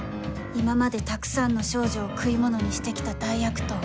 今までたくさんの少女を食い物にして来た大悪党